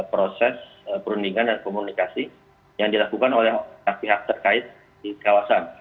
proses perundingan dan komunikasi yang dilakukan oleh pihak pihak terkait di kawasan